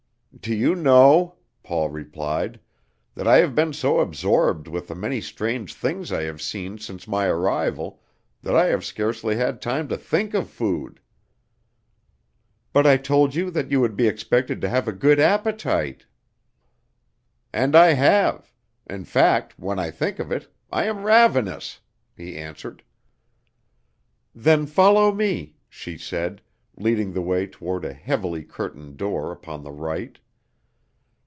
"Do you know," Paul replied, "that I have been so absorbed with the many strange things I have seen since my arrival that I have scarcely had time to think of food?" "But I told you that you would be expected to have a good appetite." "And I have. In fact, when I think of it, I am ravenous," he answered. "Then follow me," she said, leading the way toward a heavily curtained door upon the right.